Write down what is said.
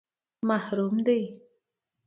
_محرم دي؟